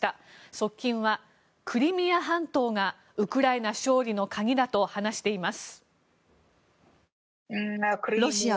側近はクリミア半島がウクライナ勝利の鍵だと話しています。